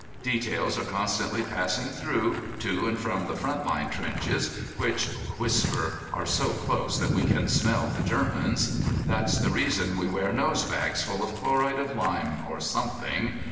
Details are constantly passing through, to and from the front line trenches, which (whisper) are so close that we can smell the Germans. That's the reason we wear nose bags full of chloride of lime or something.